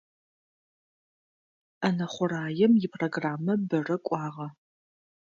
Ӏэнэ хъураем ипрограммэ бэрэ кӏуагъэ.